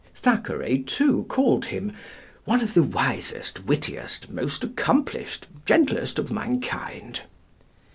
Thackeray, too, called him "one of the wisest, wittiest, most accomplished, gentlest of mankind."